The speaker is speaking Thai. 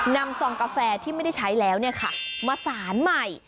ซองกาแฟที่ไม่ได้ใช้แล้วมาสารใหม่